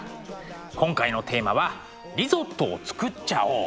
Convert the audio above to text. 今回のテーマは「リゾットを作っちゃおう！」。